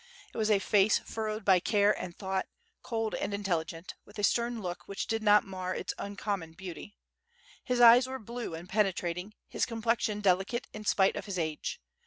It was a face fur rowed by care and thought, cold and intelligent, with a stern look which did not mar its uncommon beauty. His eyes were blue and penetrating, his complexion delicate in spite of his age.